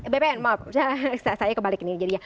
bpn maaf misalnya saya kebalik ini